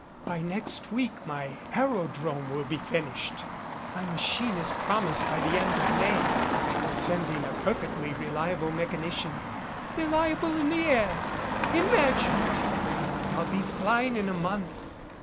By next week my aerodrome will be finished. My machine is promised by the end of May. They're sending a perfectly reliable mechanician " "Reliable in the air ! Imagine it !"" and I'll be flying in a month."